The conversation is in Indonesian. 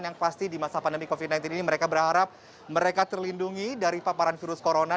yang pasti di masa pandemi covid sembilan belas ini mereka berharap mereka terlindungi dari paparan virus corona